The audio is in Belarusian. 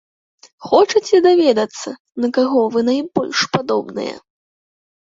Хочаце даведацца, на каго вы найбольш падобныя?